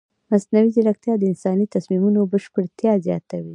مصنوعي ځیرکتیا د انساني تصمیمونو بشپړتیا زیاتوي.